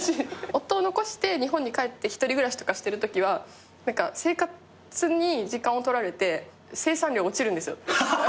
夫を残して日本に帰って１人暮らしとかしてるときは生活に時間を取られて生産量落ちるんですよ。